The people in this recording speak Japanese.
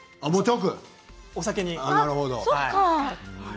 お酒にね。